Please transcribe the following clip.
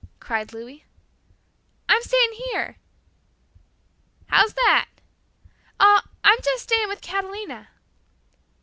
cried Louis. "I'm staying here." "How is that?" "Oh, I'm just staying with Catalina."